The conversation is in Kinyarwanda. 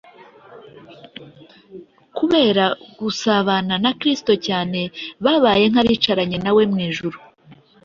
Kubera gusabana na Kristo cyane, babaye nk’abicaranye na we mu ijuru.